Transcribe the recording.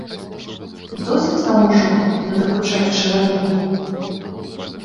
Досыць вам ужо надакучаць чалавеку.